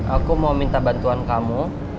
aku mau minta bantuan kamu